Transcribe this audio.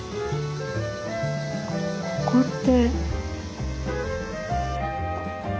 ここって。